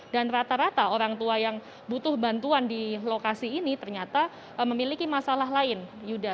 dan rata rata orang tua yang butuh bantuan di lokasi ini ternyata memiliki masalah lain yuda